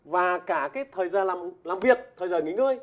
và cả cái thời gian làm việc thời giờ nghỉ ngơi